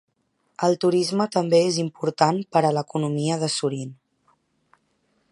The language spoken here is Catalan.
El turisme també és important per a la economia de Surin.